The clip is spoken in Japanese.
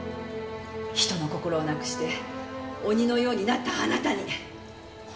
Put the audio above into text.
人の心をなくして鬼のようになったあなたにね。